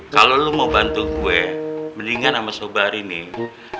kalo lu mau bantu gue mendingan sama sobari nih